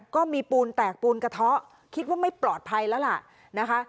ก็มีปูนแตกปูนกระเทาะคิดว่าไม่ปลอดภัยแล้วล่ะนะคะ